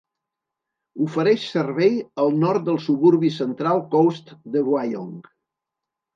Ofereix servei al nord del suburbi Central Coast de Wyong.